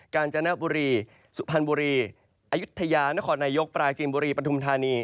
การจนบุรีสุพรรณบุรีอายุทยานครนายกปราจีนบุรีปฐุมธานี